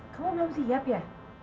kamu belum siap ya